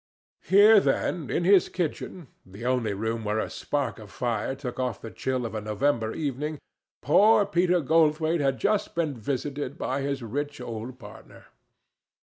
Here, then, in his kitchen—the only room where a spark of fire took off the chill of a November evening—poor Peter Goldthwaite had just been visited by his rich old partner.